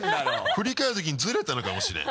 振り返るときにズレたのかもしれん。